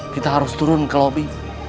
kita harus turun ke lobby